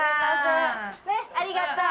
ありがとう。